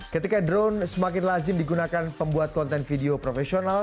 ketika drone semakin lazim digunakan pembuat konten video profesional